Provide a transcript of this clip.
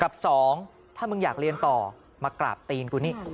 กับสองถ้ามึงอยากเรียนต่อมากราบตีนกูนี่